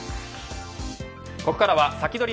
ここからはサキドリ！